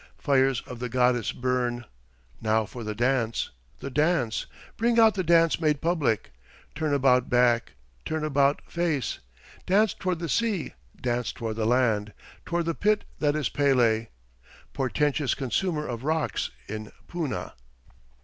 Fires of the goddess burn. Now for the dance, the dance, Bring out the dance made public; Turn about back, turn about face; Dance toward the sea, dance toward the land, Toward the pit that is Pele, Portentous consumer of rocks in Puna!"